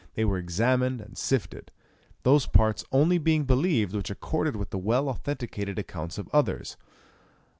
They were examined and sifted, those parts only being believed which accorded with the well authenticated accounts of others.